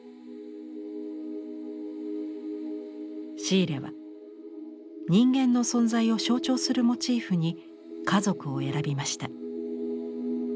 シーレは人間の存在を象徴するモチーフに家族を選びました。